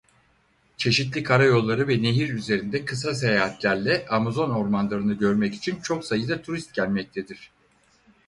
Çeşitli kara yolları ve nehir üzerinde kısa seyahatlerle Amazon ormanlarını görmek için çok sayıda turist gelmektedir.